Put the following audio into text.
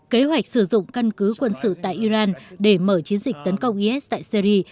kế hoạch sử dụng căn cứ quân sự tại iran để mở chiến dịch tấn công is tại syri